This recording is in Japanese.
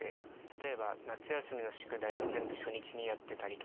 例えば夏休みの宿題は全部初日にやってたりとか。